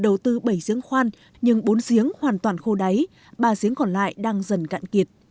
đầu tư bảy giếng khoan nhưng bốn giếng hoàn toàn khô đáy ba giếng còn lại đang dần cạn kiệt